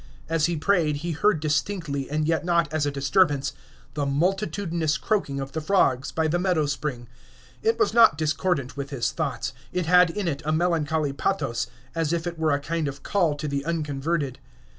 As he prayed he heard distinctly, and yet not as a disturbance, the multitudinous croaking of the frogs by the meadow spring. It was not discordant with his thoughts; it had in it a melancholy pathos, as if it were a kind of call to the unconverted.